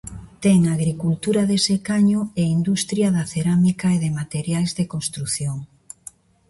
Ten agricultura de secaño e industria da cerámica e de materiais de construción.